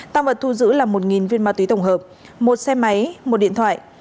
tăng vật thu giữ là một viên ma túy tổng hợp một xe máy một điện thoại